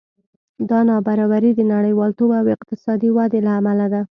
دا نابرابري د نړیوالتوب او اقتصادي ودې له امله ده